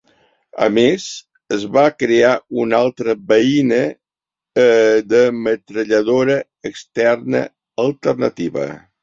A més, es va crear una altra beina de metralladora externa alternativa.